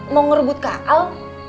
mau ngerebut kak al